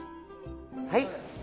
はい！